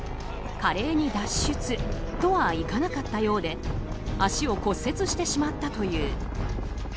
華麗に脱出とはいかなかったようで足を骨折してしまったという。